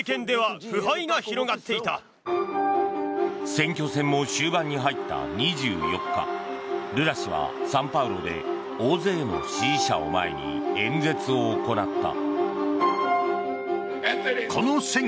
選挙戦も終盤に入った２４日ルラ氏はサンパウロで大勢の支持者を前に演説を行った。